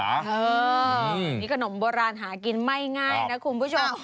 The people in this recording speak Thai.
แบบผู้ชมขนมโบราณหากินไม่ง่ายนะคุณผู้ชม